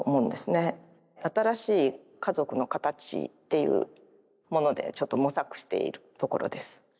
新しい家族の形っていうものでちょっと模索しているところです。